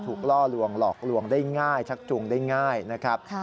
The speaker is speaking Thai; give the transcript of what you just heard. ล่อลวงหลอกลวงได้ง่ายชักจูงได้ง่ายนะครับ